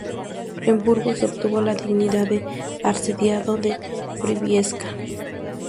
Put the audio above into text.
En Burgos obtuvo la dignidad de arcediano de Briviesca.